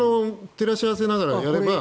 照らし合わせながら。